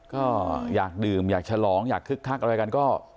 ก็อยากดื่มอยากฉลองอยากคึกคักอะไรกันก็